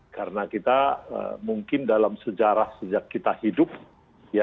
karena kita mungkin dalam sejarah sejak kita hidup ya